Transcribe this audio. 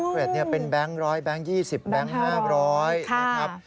เกร็ดเป็นแบงค์๑๐๐แบงค์๒๐แบงค์๕๐๐นะครับ